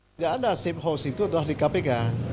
tidak ada safe house itu adalah di kpk